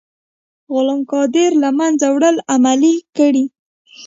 غلام قادر له منځه وړل عملي کړئ.